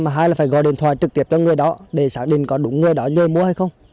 hai là phải gọi điện thoại trực tiếp cho người đó để sáng đình có đúng người đó như mua hay không